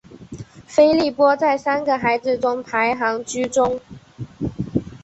菲利波在三个孩子中排行居中。